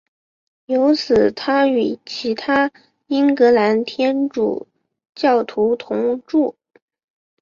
自此他与其他英格兰天主教徒同住。